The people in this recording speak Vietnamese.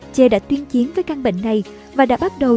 ché đã tuyên chiến với căn bệnh này và đã bắt đầu tập trung